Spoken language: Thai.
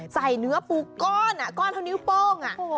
ใส่เนื้อปูก้อนก้อนเท่านิ้วโป้ง